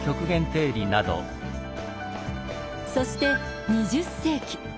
そして２０世紀。